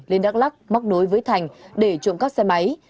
lên đắk lắc móc đối với thành để trộm các xe máy